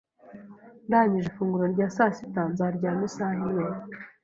Ndangije ifunguro rya sasita, nzaryama isaha imwe.